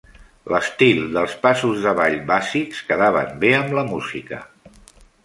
L'estil dels passos de ball bàsics quedaven bé amb la música.